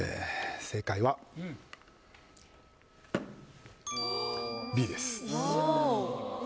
正解はＢですえ